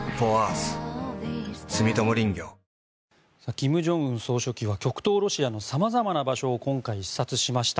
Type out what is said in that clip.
金正恩総書記は極東ロシアの様々な場所を今回視察しました。